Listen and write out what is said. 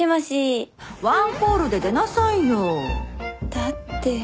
だって。